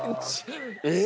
えっ？